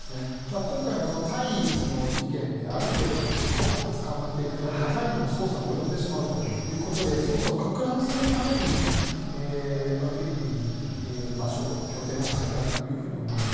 今回もタイの事件である程度の実行犯が捕まっていくとやっぱりタイにも捜査が及んでしまうということで捜査をかく乱するためにフィリピンに拠点を変えたと思います。